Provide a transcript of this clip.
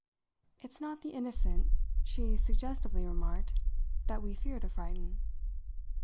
It's not the innocent," she suggestively remarked, "that we fear to frighten."